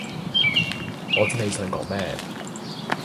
我知你想講咩